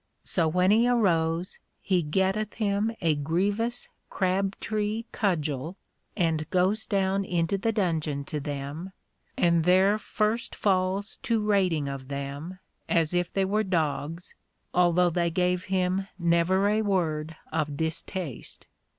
So when he arose, he getteth him a grievous Crab tree Cudgel, and goes down into the Dungeon to them, and there first falls to rating of them, as if they were dogs, although they gave him never a word of distaste.